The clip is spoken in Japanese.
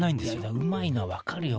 うまいの分かるよ